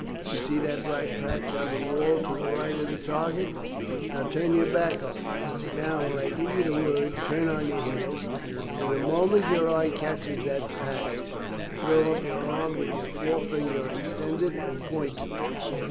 You see that black patch on the wall to the right of the target. Now turn your back to it. Now, when I give the word, turn on your heels, and the moment your eye catches that patch throw up your arm with your forefinger extended and point to it.